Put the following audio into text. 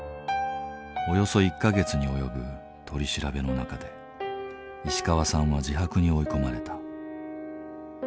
およそ１か月に及ぶ取り調べの中で石川さんは自白に追い込まれた。